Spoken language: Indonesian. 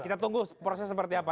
kita tunggu prosesnya seperti apa